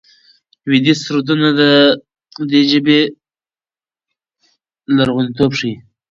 ویدي سرودونه د دې ژبې لرغونتوب ښيي.